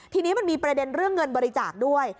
ทีนี้มันมีประเด็นเรื่องเงินบริจาคด้วย